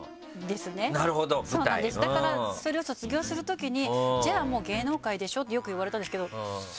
だからそれを卒業するときに「じゃあもう芸能界でしょ」ってよく言われたんですけど。